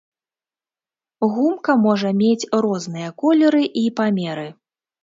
Гумка можа мець розныя колеры і памеры.